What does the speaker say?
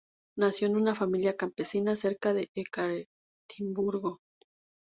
Nació en una familia campesina cerca de Ekaterimburgo.